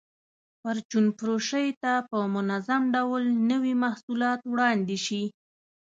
پرچون فروشۍ ته په منظم ډول نوي محصولات وړاندې شي.